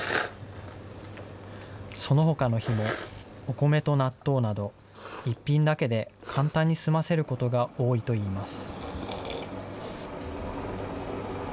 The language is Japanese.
そのほかの日も、お米と納豆など、１品だけで簡単に済ませることが多いといいます。